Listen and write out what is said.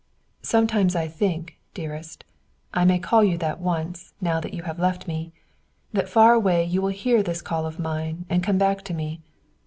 "Sometimes I think, dearest I may call you that once, now that you have left me that far away you will hear this call of mine and come back to me.